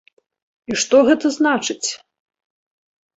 І што гэта значыць?